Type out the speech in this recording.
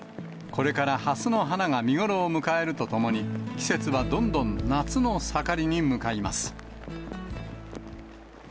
これからハスの花が見頃を迎えるとともに、季節はどんどん夏の盛りに向かいます。